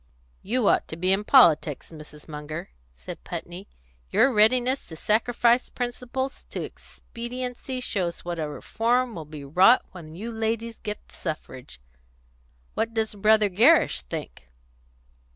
"You ought to be in politics, Mrs. Munger," said Putney. "Your readiness to sacrifice principle to expediency shows what a reform will be wrought when you ladies get the suffrage. What does Brother Gerrish think?"